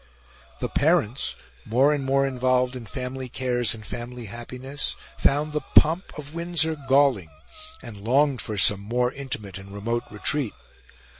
The parents, more and more involved in family cares and family happiness, found the pomp of Windsor galling, and longed for some more intimate and remote retreat.